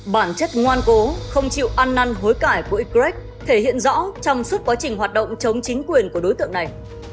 bản chất ngoan cố không chịu ăn năn hối cải của ygrec thể hiện rõ trong suốt quá trình hoạt động chống chính quyền của đối tượng này